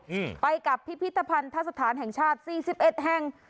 อืมไปกับพิพิธภัณฑสถานแห่งชาติสี่สิบเอ็ดแห่ง